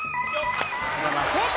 正解。